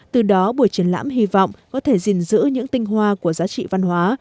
từ đó buổi triển lãm hy vọng có thể gìn giữ những tinh hoa của giá trị văn hóa